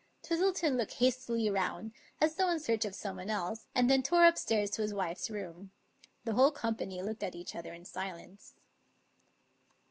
Twistleton looked hastily round, as though in search of some one else, and then tore upstairs to his wife's room. The whole company looked at each other in silence.